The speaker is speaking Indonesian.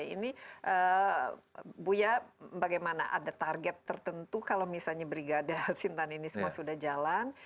ini buya bagaimana ada target tertentu kalau misalnya brigade al sintani ini sudah jalan